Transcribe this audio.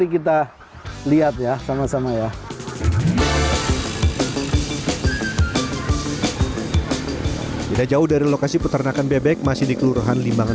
kita lihat ya sama sama ya tidak jauh dari lokasi peternakan bebek masih di kelurahan limbangan